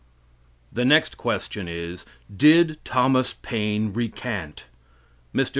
The next question is: Did Thomas Paine recant?